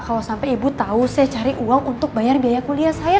kalau sampai ibu tahu saya cari uang untuk bayar biaya kuliah saya